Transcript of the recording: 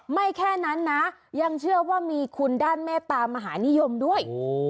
ไม่แค่นั้นนะยังเชื่อว่ามีคุณด้านเมตามหานิยมด้วย